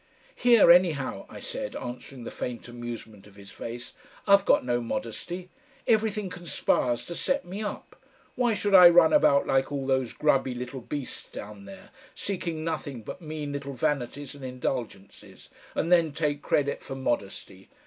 "Here anyhow," I said, answering the faint amusement of his face; "I've got no modesty. Everything conspires to set me up. Why should I run about like all those grubby little beasts down there, seeking nothing but mean little vanities and indulgencies and then take credit for modesty?